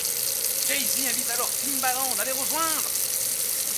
Jay-Z invite alors Timbaland à les rejoindre.